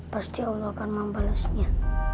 pasti allah akan membalasnya